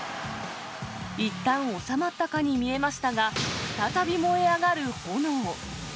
いったん収まったかに見えましたが、再び燃え上がる炎。